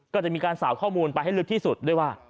ก็จะมีการสาวข้อมูลไปให้ลึกที่สุดด้วยว่า